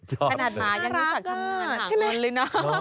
ขนาดมายังนึกจากทางงานหลังมนต์เลยนะน่ารักอะ